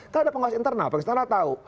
kan ada pengawas internal pengisian internal tahu